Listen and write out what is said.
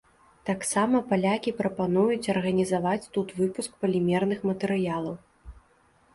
Таксама палякі прапануюць арганізаваць тут выпуск палімерных матэрыялаў.